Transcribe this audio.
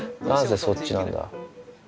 なぜそっちなんだ？